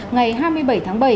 ngày hai mươi bảy tháng bảy